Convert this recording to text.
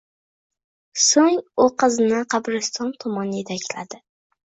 Soʻng u qizni qabriston tomon yetakladi.